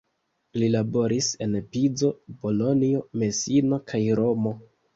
Li laboris en Pizo, Bolonjo, Mesino kaj Romo.